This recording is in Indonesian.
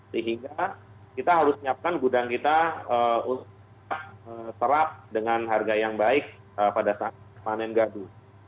sehingga kita harus siapkan gudang kita serap dengan harga yang baik pada saat panen gadu